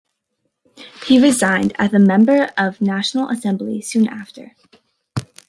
He resigned as a Member of National Assembly soon after.